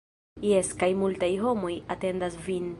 - Jes kaj multaj homoj atendas vin